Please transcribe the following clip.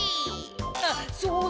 あっそうだ！